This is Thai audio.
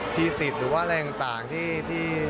สิทธิ์หรือว่าอะไรต่างที่